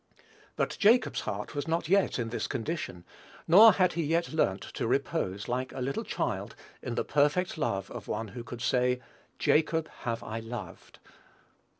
But Jacob's heart was not yet in this condition; nor had he yet learnt to repose, like a little child, in the perfect love of one who could say, "Jacob have I loved."